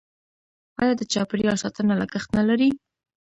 آیا د چاپیریال ساتنه لګښت نلري؟